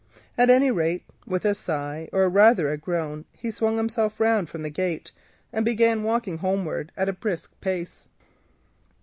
At any rate, with a sigh, or rather a groan, he swung himself round from the gate and began to walk homeward at a brisk pace.